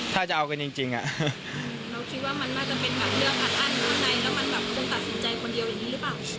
ถ้าจะเอากันจริงอะอืมเราคิดว่ามันไม่ก็เป็นแบบเลือกอัดอันใน